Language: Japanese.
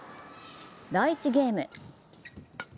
第１ゲーム。